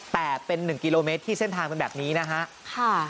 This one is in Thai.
แต่เป็น๑กิโลเมตรที่เส้นทางเป็นแบบนี้นะฮะ